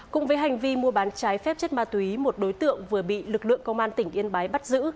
cũng với hành vi mua bán trái phép chất ma túy một đối tượng vừa bị lực lượng công an tỉnh yên bái bắt giữ